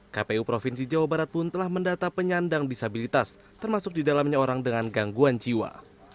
kpu provinsi jawa barat pun telah mendata penyandang disabilitas termasuk di dalamnya orang dengan gangguan jiwa